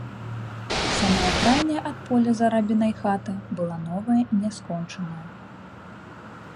Самая крайняя ад поля з арабінай хата была новая і няскончаная.